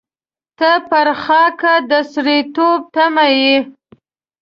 ته پر خاکه د سړېتوب تمه لرې.